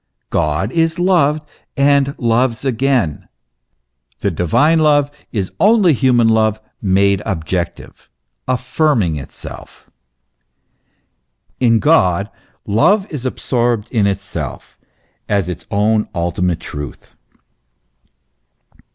God is loved and loves again; the divine love is only human love made objective, affirming itself. In God love is absorbed in itself as its own ultimate truth.